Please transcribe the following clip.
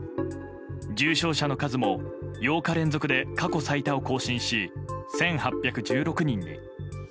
重症者の数も８日連続で過去最多を更新し１８１６人に。